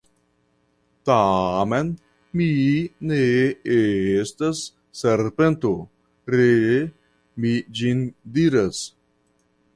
Tamen mi ne estas serpento, ree mi ĝin diras.